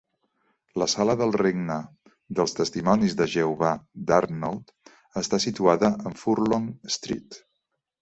La Sala del regne dels Testimonis de Jehovà d'Arnold està situada en Furlong Street.